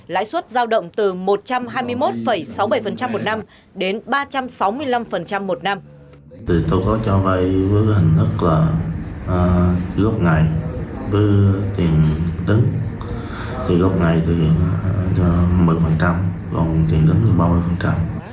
lãi suất giao động từ một trăm hai mươi một sáu mươi bảy một năm đến ba trăm sáu mươi năm một năm